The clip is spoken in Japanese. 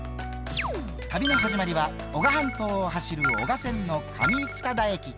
旅の始まりは男鹿半島を走る男鹿線の上二田駅。